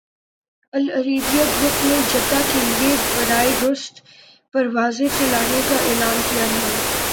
العربیہ air group نے Jeddah کے لیے براہ راست پروازیں چلانے کا اعلان کیا ہے